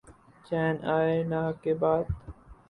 چین آئے نہ کے بعد